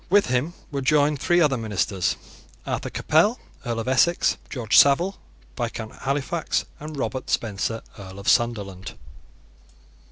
With him were joined three other ministers, Arthur Capel, Earl of Essex, George Savile, Viscount Halifax, and Robert Spencer, Earl of Sunderland.